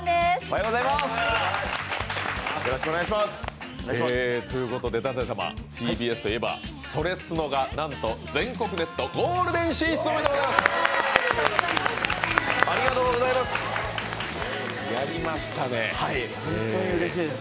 ということで舘様、ＴＢＳといえば、「それスノ」がなんと全国ネットゴールデン進出おめでとうございます！